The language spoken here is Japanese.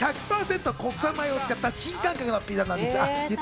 国産米を使った新感覚のピザなんです。